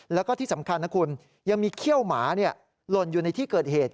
แล้วก็ที่สำคัญนะคุณยังมีเขี้ยวหมาหล่นอยู่ในที่เกิดเหตุ